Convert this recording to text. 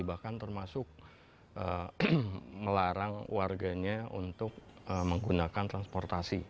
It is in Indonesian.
bahkan termasuk melarang warganya untuk menggunakan transportasi